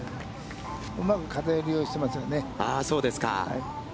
うまく風を利用していますよね。